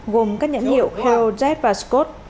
gồm các nhãn hiệu hero jet và scott